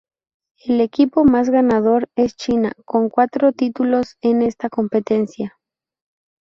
El equipo más ganador es China con cuatro títulos en esta competencia.